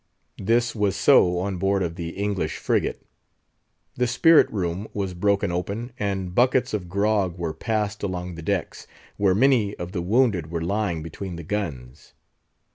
This was so on board of the English frigate. The spirit room was broken open, and buckets of grog were passed along the decks, where many of the wounded were lying between the guns.